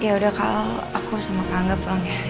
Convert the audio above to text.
ya udah kalau aku sama kak angga pulang ya